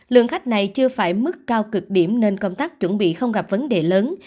lượng khách này chưa phải mức cao cực điểm nên công tác chuẩn bị không gặp vấn đề lớn